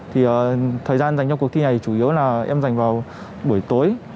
thì thời gian dành cho cuộc thi này chủ yếu là em dành vào buổi tối